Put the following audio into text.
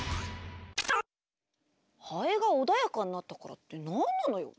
ハエが穏やかになったからって何なのよ。